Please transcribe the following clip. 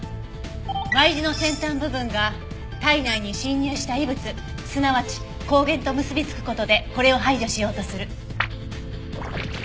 Ｙ字の先端部分が体内に侵入した異物すなわち抗原と結び付く事でこれを排除しようとする。